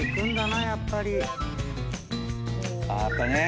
あやっぱね。